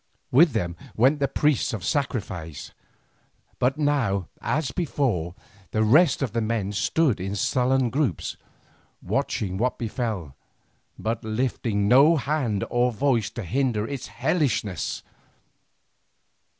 With them went the priests of sacrifice, but now, as before, the rest of the men stood in sullen groups, watching what befell, but lifting no hand or voice to hinder its hellishness.